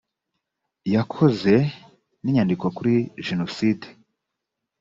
yakoze n’inyandiko kuri jenoside